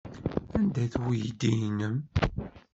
Anda-t weydi-nnem?